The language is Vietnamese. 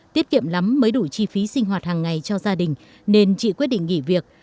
tiết kiệm lắm mới đủ chi phí sinh hoạt hàng ngày cho gia đình nên chị quyết định nghỉ việc